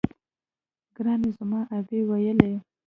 ګراني زما ابۍ ويله